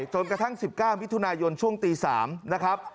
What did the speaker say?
จนกระทั่ง๑๙วิทยุช่วงตี๓นะครับ